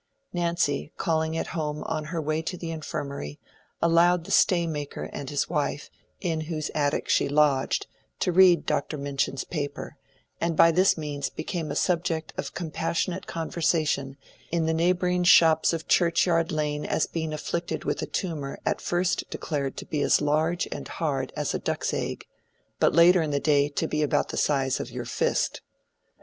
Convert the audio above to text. Nancy, calling at home on her way to the Infirmary, allowed the stay maker and his wife, in whose attic she lodged, to read Dr. Minchin's paper, and by this means became a subject of compassionate conversation in the neighboring shops of Churchyard Lane as being afflicted with a tumor at first declared to be as large and hard as a duck's egg, but later in the day to be about the size of "your fist."